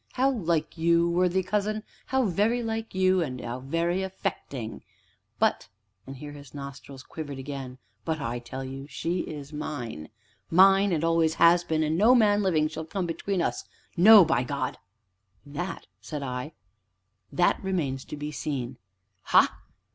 How like you, worthy cousin, how very like you, and how affecting! But" and here his nostrils quivered again "but I tell you she is mine mine, and always has been, and no man living shall come between us no, by God!" "That," said I, "that remains to be seen!" "Ha?"